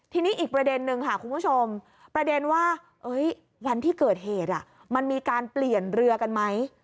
ทีนี้อีกประเด็นนึงค่ะคุณผู้ชมประเด็นว่าวันที่เกิดเหตุมันมีการเปลี่ยนเรือกันไหม